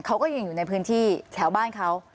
เขาก็ยังอยู่ในพื้นที่แถวบ้านเขา